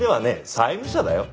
債務者だよ？